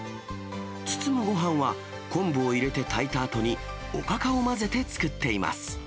包むごはんは、昆布を入れて炊いたあとに、おかかを混ぜて作っています。